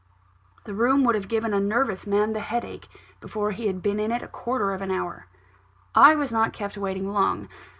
The room would have given a nervous man the headache, before he had been in it a quarter of an hour. I was not kept waiting long.